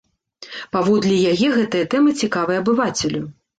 Паводле яе, гэтая тэма цікавая абывацелю.